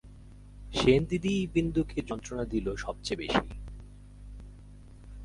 সেনদিদিই বিন্দুকে যন্ত্রণা দিল সবচেয়ে বেশি।